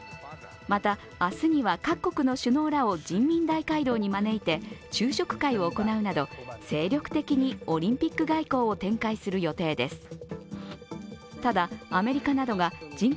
また、明日には各国の首脳らを人民大会堂に招いて昼食会を行うなど精力的にオリンピック外交を展開する予定です。